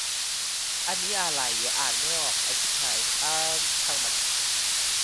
A temple dedicated to the emperor was also called "neocorate".